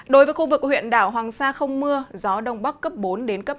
đối với khu vực huyện đảo hoàng sa không mưa gió đông bắc cấp bốn đến cấp năm